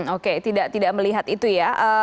oke tidak melihat itu ya